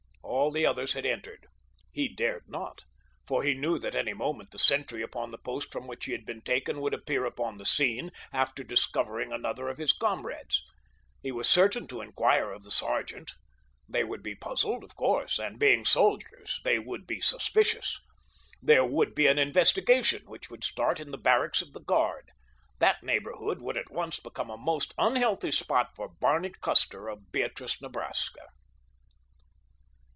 All the others had entered. He dared not, for he knew that any moment the sentry upon the post from which he had been taken would appear upon the scene, after discovering another of his comrades. He was certain to inquire of the sergeant. They would be puzzled, of course, and, being soldiers, they would be suspicious. There would be an investigation, which would start in the barracks of the guard. That neighborhood would at once become a most unhealthy spot for Barney Custer, of Beatrice, Nebraska.